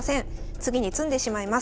次に詰んでしまいます。